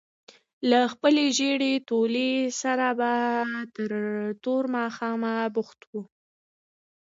له خپلې ژېړې تولۍ سره به تر توره ماښامه بوخت وو.